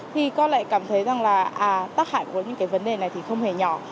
thì con lại cảm thấy rằng là tác hại của những cái vấn đề này thì không hề nhỏ